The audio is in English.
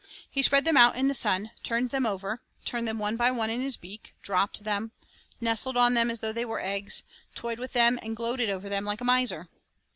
He spread them out in the sun, turned them over, turned them one by one in his beak, dropped them, nestled on them as though they were eggs, toyed with them and gloated over them like a miser.